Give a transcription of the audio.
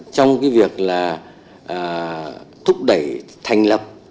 trong cái việc là thúc đẩy thành lập